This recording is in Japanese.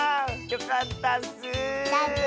よかったッス。